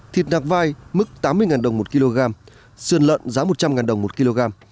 thịt nạc vai mức tám mươi đồng một kg sườn lợn giá một trăm linh đồng một kg